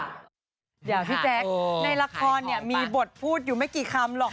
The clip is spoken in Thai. เดี๋ยวพี่แจ๊คในละครเนี่ยมีบทพูดอยู่ไม่กี่คำหรอก